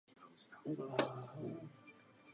Vesnici pravděpodobně založili obyvatelé Dlouhé Brtnice.